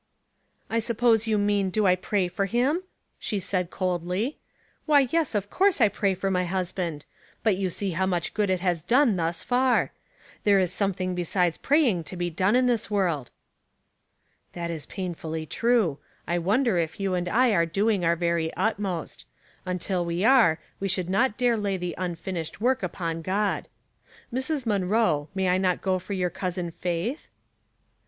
"" 1 suppose you mean do I pray for him ?" she said, coldly. " Why, yes ; of course I pray for my husband ; but you see how much good it has done thus far. There is something besides pray ing to be done in this world." " That is painfully true. I wonder if you and I are doing our very utmost. Until we are, we 260 Household Puzzles, should not dare lay the unfinished work upon God. Mrs. Munroe, may I not go for your Cousin Faith ?